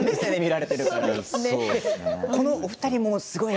このお二人もすごい。